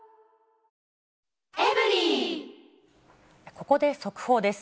ここで速報です。